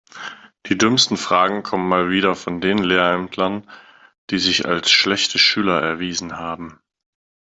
Die dümmsten Fragen kommen mal wieder von den Lehrämtlern, die sich als schlechte Schüler erwiesen haben.